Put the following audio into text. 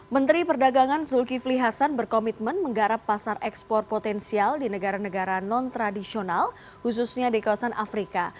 menteri perdagangan zulkifli hasan berkomitmen menggarap pasar ekspor potensial di negara negara non tradisional khususnya di kawasan afrika